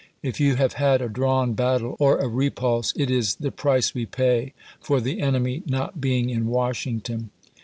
If you have had a drawn battle, or a repulse, it is the price we pay for the enemy not being in Washington.